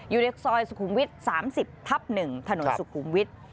อยู่ในซอยสุขุมวิทย์๓๐ทับ๑ถนนสุขุมวิทย์